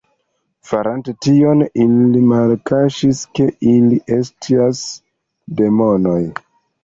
Farante tion, ili malkaŝis ke ili estas demonoj.